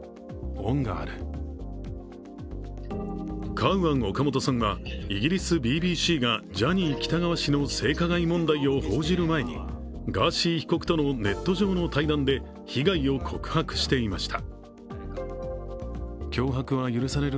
カウアン・オカモトさんはイギリスＢＢＣがジャニー喜多川氏の性加害問題を報じる前にガーシー被告とのネット上の対談で被害を告白していました。